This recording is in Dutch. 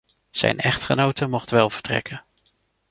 Zijn echtgenote mocht wel vertrekken.